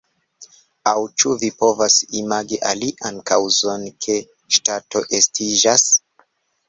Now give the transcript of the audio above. Aŭ ĉu vi povas imagi alian kaŭzon ke ŝtato estiĝas?